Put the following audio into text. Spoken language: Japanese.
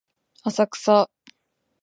浅草